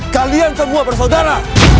kalian semua bersaudara